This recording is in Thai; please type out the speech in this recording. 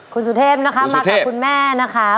คุณสุเทพนะคะมากับคุณแม่นะคะ